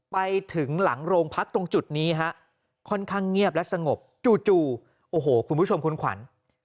ไปถึงหลังโรงพักตรงจุดนี้ฮะค่อนข้างเงียบและสงบจู่โอ้โหคุณผู้ชมคุณขวัญ